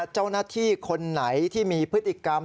เจ้าหน้าที่คนไหนที่มีพฤติกรรม